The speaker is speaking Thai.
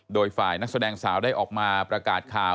โดยฝ่ายนักแสดงสาวได้ออกมาประกาศข่าว